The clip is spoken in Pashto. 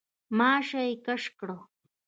ماشه يې کش کړه.